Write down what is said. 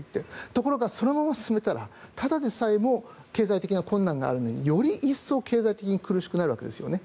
ところがそのまま進めたらただでさえ経済的な困難があるのにより一層経済的に苦しくなるわけですよね。